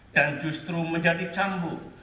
dan justru menjadi cambuk